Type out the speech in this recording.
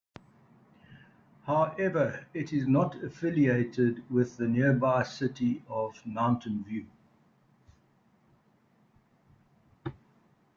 However, it is not affiliated with the nearby city of Mountain View.